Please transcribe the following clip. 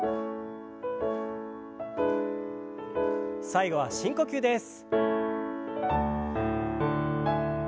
最後は深呼吸です。